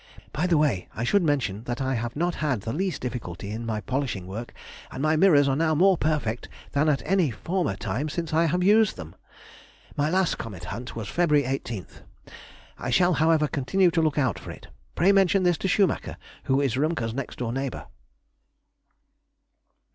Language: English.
(By the way, I should mention that I have not had the least difficulty in my polishing work, and my mirrors are now more perfect than at any former time since I have used them.) My last comet hunt was Feb. 18. I shall, however, continue to look out for it. Pray mention this to Schumacher, who is Rümker's next door neighbour.